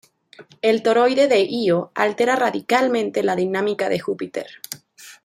El toroide de Ío altera radicalmente la dinámica de Júpiter.